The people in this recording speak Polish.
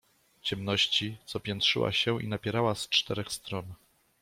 ciemności, co piętrzyła się i napierała z czterech stron.